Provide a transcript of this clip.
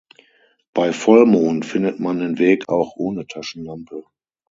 Bei Vollmond findet man den Weg auch ohne Taschenlampe.